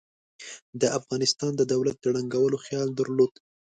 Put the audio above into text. د افغانستان د دولت د ړنګولو خیال درلود.